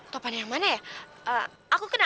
topan yang mana ya aku kena